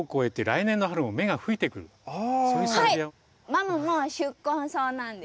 マムも宿根草なんです。